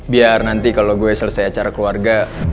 biar nanti kalau gue selesai acara keluarga